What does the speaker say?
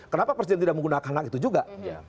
kenapa presiden tidak menggunakan hak itu juga